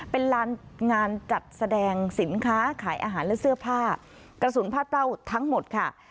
เป็นลานงานจัดแสดงสินค้าขายอาหารและเสื้อผ้ากระสุนพาดเป้าทั้งหมดค่ะ